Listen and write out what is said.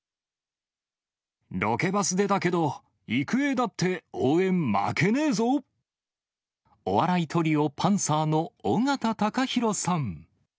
ロケバスでだけど、育英だっお笑いトリオ、パンサーの尾形貴弘さん。